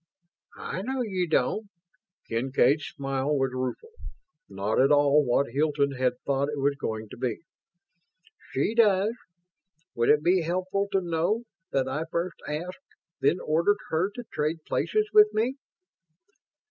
"I know you don't." Kincaid's smile was rueful, not at all what Hilton had thought it was going to be. "She does. Would it be helpful to know that I first asked, then ordered her to trade places with me?"